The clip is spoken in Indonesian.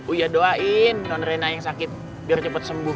uya doain nonrena yang sakit biar cepet sembuh